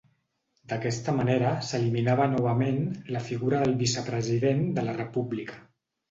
D'aquesta manera s'eliminava novament la figura del Vicepresident de la República.